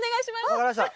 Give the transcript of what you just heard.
分かりました。